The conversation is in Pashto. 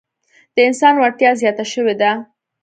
د انسان وړتیا زیاته شوې ده.